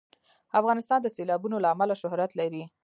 افغانستان د سیلابونه له امله شهرت لري.